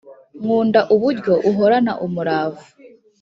nkunda uburyo uhorana umurava